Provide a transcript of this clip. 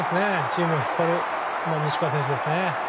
チームを引っ張る西川選手ですね。